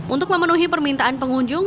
untuk memenuhi permintaan pengunjung